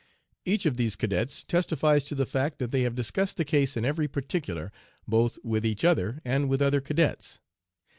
Each of these cadets testifies to the fact that they have discussed the case in every particular, both with each other and with other cadets.